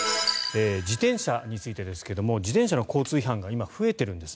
自転車についてですが自転車の交通違反が今、増えているんです。